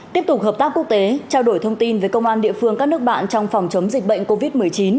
tiếp tục hợp tác quốc tế trao đổi thông tin với công an địa phương các nước bạn trong phòng chống dịch bệnh covid một mươi chín